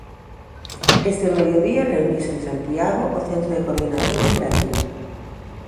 Este mediodía reuniuse en Santiago o Centro de Coordinación Operativa.